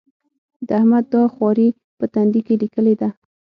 د احمد دا خواري په تندي کې ليکلې ده.